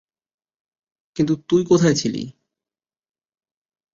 কিন্তু তুই কোথায় ছিলি?